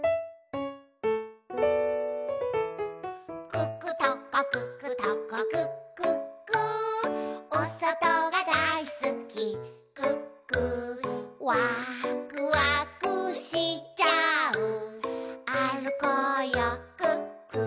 「クックトコクックトコクックックー」「おそとがだいすきクックー」「わくわくしちゃうあるこうよクックー」